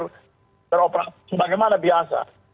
dan beroperasi sebagaimana biasa